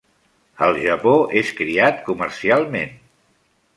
Al Japó és criat comercialment.